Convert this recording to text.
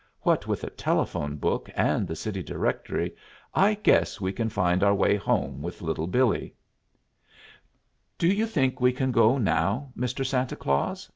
"What with the telephone book and the city directory, I guess we can find our way home with Little Billee." "Do you think we can go now, Mr. Santa Claus?"